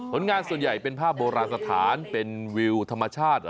งานส่วนใหญ่เป็นภาพโบราณสถานเป็นวิวธรรมชาติ